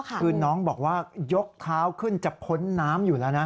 คือน้องบอกว่ายกเท้าขึ้นจะพ้นน้ำอยู่แล้วนะ